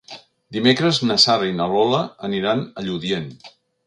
Dimecres na Sara i na Lola aniran a Lludient.